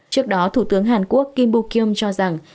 trước đó thủ tướng hàn quốc kim bok yum cho rằng